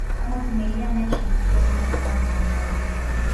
kama kimelea anayeshambulia aina fulani za nyani